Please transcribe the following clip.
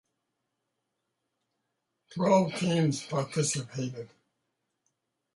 Twelve teams participated.